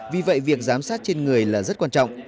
vì vậy việc giám sát trên người là rất quan trọng